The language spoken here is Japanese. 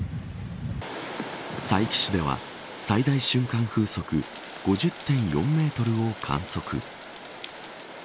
佐伯市では、最大瞬間風速５０．４メートルを観測。